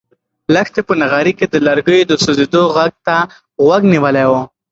لښتې په نغري کې د لرګیو د سوزېدو غږ ته غوږ نیولی و.